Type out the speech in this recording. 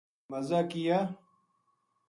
مزا کیا